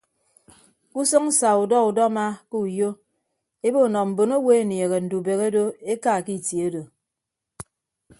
Ke usʌñ sa udọ udọma ke uyo ebo nọ mbonowo enieehe ndubehe do eka ke itie odo.